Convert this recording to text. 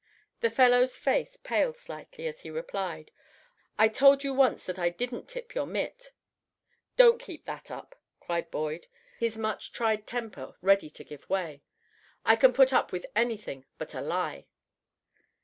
The fellow's face paled slightly as he replied: "I told you once that I didn't tip your mit." "Don't keep that up!" cried Boyd, his much tried temper ready to give way. "I can put up with anything but a lie."